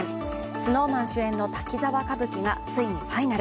ＳｎｏｗＭａｎ主演の「滝沢歌舞伎」がついにファイナル。